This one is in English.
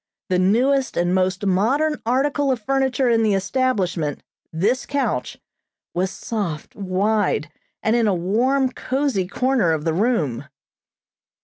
The newest and most modern article of furniture in the establishment, this couch, was soft, wide, and in a warm, cozy corner of the room.